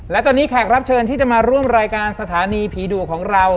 และตอนนี้แขกรับเชิญที่จะมาร่วมรายการสถานีผีดุของเรา